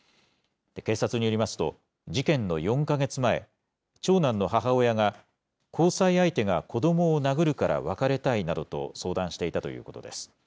警察によりますと、事件の４か月前、長男の母親が、交際相手が子どもを殴るから別れたいなどと相談していたということです。